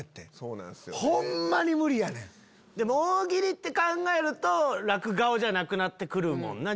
でも大喜利って考えるとらくがおじゃなくなって来る。